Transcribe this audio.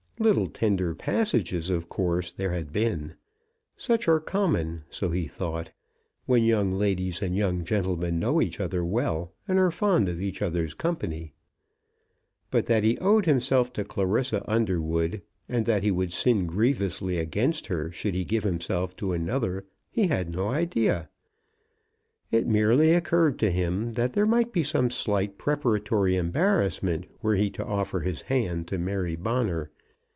Little tender passages of course there had been. Such are common, so he thought, when young ladies and young gentlemen know each other well and are fond of each other's company. But that he owed himself to Clarissa Underwood, and that he would sin grievously against her should he give himself to another, he had no idea. It merely occurred to him that there might be some slight preparatory embarrassment were he to offer his hand to Mary Bonner.